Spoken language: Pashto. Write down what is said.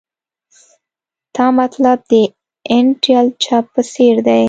تا مطلب د انټیل چپ په څیر دی